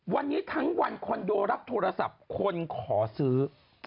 วันนี้ทั้งวันคอนโดรับโทรศัพท์คนขอซื้อ